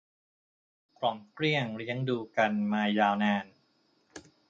กล่อมเกลี้ยงเลี้ยงดูกันมายาวนาน